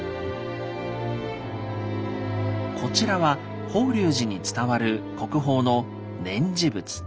こちらは法隆寺に伝わる国宝の「念持仏」。